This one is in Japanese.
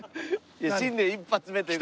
新年一発目という事で。